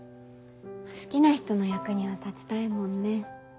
好きな人の役には立ちたいもんね。